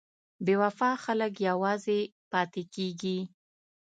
بې وفا خلک یوازې پاتې کېږي.